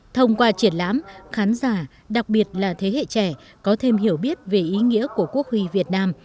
thông qua triển lãm khán giả đặc biệt là thế hệ trẻ có thêm hiểu biết về ý nghĩa của quốc huy việt nam